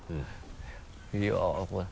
いやぁこれ。